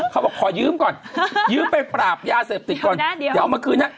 ขอยืมก่อนยืมไปปราบยาเสพติดก่อนเดี๋ยวเอามาคืนให้